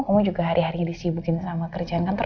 kamu juga hari hari disibukin sama kerjaan kantor